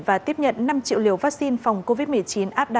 và tiếp nhận năm triệu liều vaccine phòng covid một mươi chín